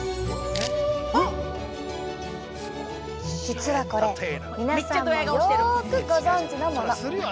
実は、これ皆さんもよくご存じのもの。